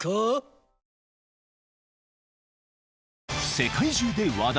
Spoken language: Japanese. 世界中で話題！